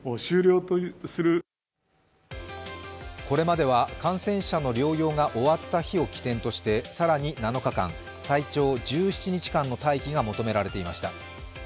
これまでは感染者の療養が終わった日を起点として更に７日間、最長１７日間の待機が求められていました。